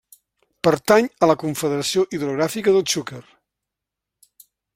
Pertany a la Confederació Hidrogràfica del Xúquer.